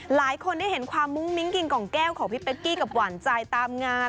หลายคนได้เห็นความมุ้งมิ้งกินกล่องแก้วของพี่เป๊กกี้กับหวานใจตามงาน